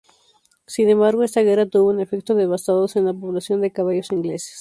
Sin embargo, esta guerra tuvo un efecto devastados en la población de caballos ingleses.